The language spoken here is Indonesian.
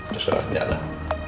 terserah dia lah